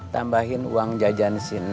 tambahin uang jajan sineng